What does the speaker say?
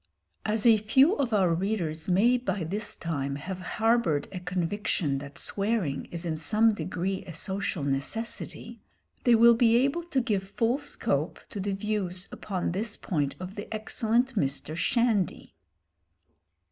As a few of our readers may by this time have harboured a conviction that swearing is in some degree a social necessity, they will be able to give full scope to the views upon this point of the excellent Mr. Shandy.